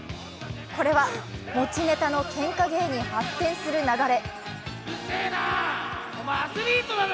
これは、持ちネタのけんか芸に発展する流れ。